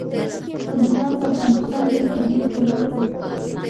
کندهار د افغانستان یو طبعي ثروت دی.